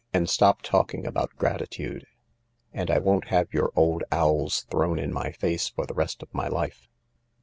" And stop talking about grati tude. And I won't have your old owls thrown in my face for the rest of my life.